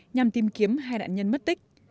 nhằm tìm kiếm hai nạn nhân mất tích